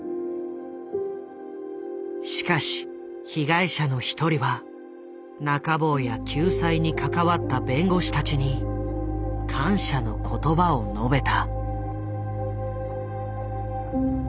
しかし被害者の一人は中坊や救済に関わった弁護士たちに感謝の言葉を述べた。